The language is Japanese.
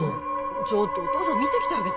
ちょっとお父さん見てきてあげて・